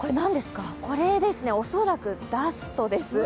これ、恐らくダストです。